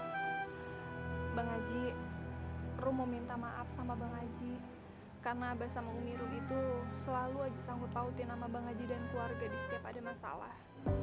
sanggup pautin nama bang haji dan keluarga di setiap ada masalah